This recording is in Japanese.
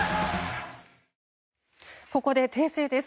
ここで訂正です。